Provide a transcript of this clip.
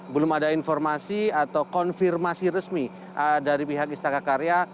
belum ada informasi atau konfirmasi resmi dari pihak istaka karya